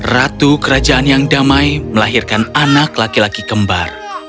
ratu kerajaan yang damai melahirkan anak laki laki kembar